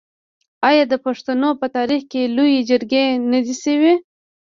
آیا د پښتنو په تاریخ کې لویې جرګې نه دي شوي؟